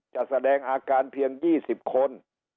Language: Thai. แสดงอาการเพียง๒๐คน